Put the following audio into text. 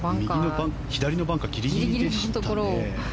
左のバンカーギリギリでしたね。